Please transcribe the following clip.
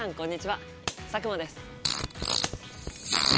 佐久間です。